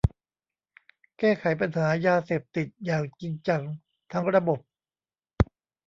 แก้ไขปัญหายาเสพติดอย่างจริงจังทั้งระบบ